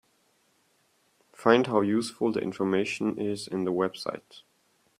Find how useful the information is in the website.